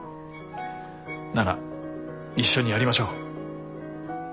なら一緒にやりましょう。